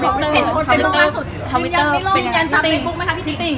ยังไม่ลงยันตามเม็บบุ๊คมั้ยคะพี่ติง